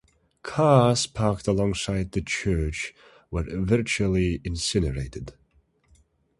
Cars parked alongside the church were virtually incinerated.